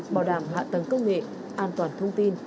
bảo đảm hạ tầng công nghệ an toàn thông tin